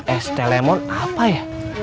es teh lemon apa ya